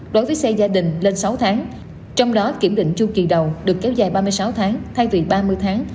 đối với xe gia đình lên sáu tháng trong đó kiểm định chu kỳ đầu được kéo dài ba mươi sáu tháng thay vì ba mươi tháng